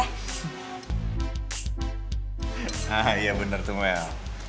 hah iya bener tuh mel